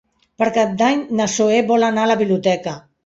Per Cap d'Any na Zoè vol anar a la biblioteca.